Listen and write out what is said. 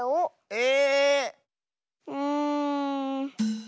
え⁉うん。